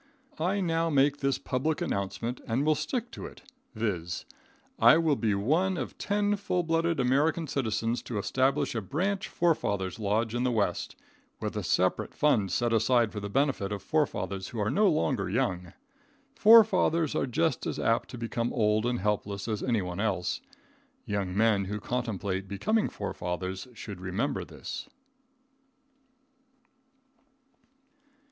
I now make this public announcement, and will stick to it, viz: I will be one of ten full blooded American citizens to establish a branch forefather's lodge in the West, with a separate fund set aside for the benefit of forefathers who are no longer young. Forefathers are just as apt to become old and helpless as anyone else. Young men who contemplate becoming forefathers should remember this.